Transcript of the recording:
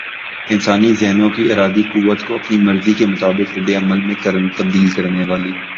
انسانی ذہنوں کی ارادی قوت کو اپنی مرضی کے مطابق ردعمل میں تبدیل کرنے والی